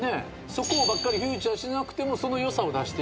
そこをばっかりフィーチャーしなくてもその良さを出してる。